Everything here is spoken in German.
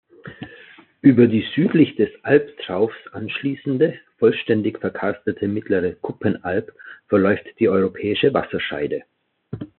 Über die südlich des Albtraufs anschließende, vollständig verkarstete Mittlere Kuppenalb verläuft die Europäische Wasserscheide.